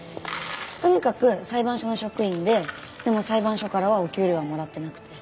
とにかく裁判所の職員ででも裁判所からはお給料はもらってなくて。